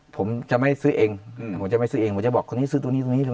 ผมจะไม่ซื้อเองผมจะไม่ซื้อเองผมจะบอกคนนี้ซื้อตรงนี้ตรงนี้เลย